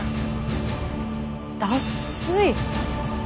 脱水。